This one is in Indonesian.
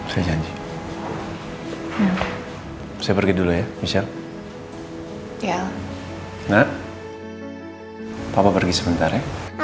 saya janji saya pergi dulu ya bisa ya nah papa pergi sebentar ya